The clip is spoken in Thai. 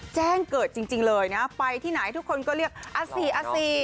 แจ้งเกิดจริงเลยนะไปที่ไหนทุกคนก็เรียกอาสี่อสี่